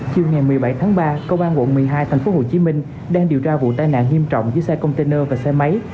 chiều ngày một mươi bảy tháng ba công an quận một mươi hai tp hcm đang điều tra vụ tai nạn nghiêm trọng giữa xe container và xe máy